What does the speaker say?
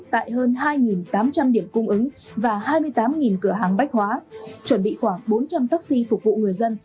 tại hơn hai tám trăm linh điểm cung ứng và hai mươi tám cửa hàng bách hóa chuẩn bị khoảng bốn trăm linh taxi phục vụ người dân